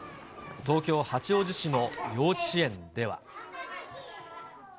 東京・八王子市の幼稚園では。